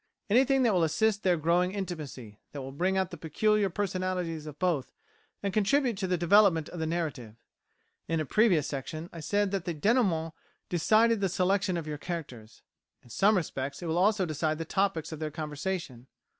Anything that will assist their growing intimacy, that will bring out the peculiar personalities of both, and contribute to the development of the narrative. In a previous section I said that the dénouement decided the selection of your characters; in some respects it will also decide the topics of their conversation.